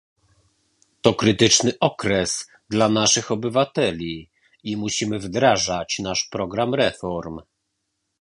To krytyczny okres dla naszych obywateli i musimy wdrażać nasz program reform